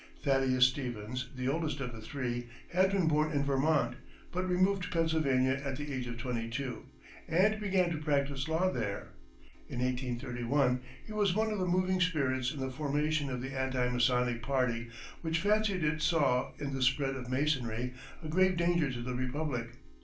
Thaddeus Stevens, the oldest of the three, had been born in Vermont, but removed to Pennsylvania at the age of twenty two, and began to practice law there. In 1831, he was one of the moving spirits in the formation of the anti Masonic party, which fancied it saw, in the spread of Masonry, a grave danger to the republic.